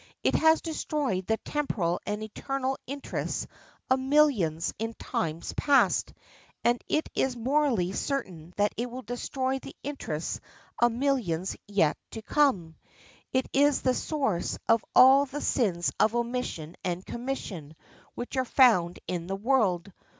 It has destroyed the temporal and eternal interests of millions in times past, and it is morally certain that it will destroy the interests of millions yet to come. It is the source of all the sins of omission and commission which are found in the world.